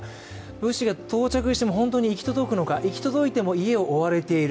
物資が到着しても本当に行き届くのか、行き届いても家を追われている。